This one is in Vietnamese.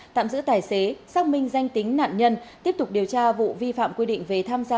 tạm giữ tài xế xác minh danh tính nạn nhân tiếp tục điều tra vụ vi phạm quy định về tham gia